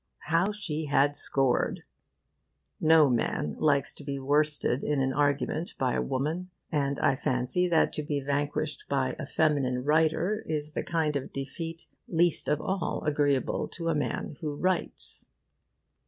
How she had scored! No man likes to be worsted in argument by a woman. And I fancy that to be vanquished by a feminine writer is the kind of defeat least of all agreeable to a man who writes.